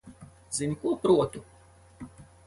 Zini, ko protu?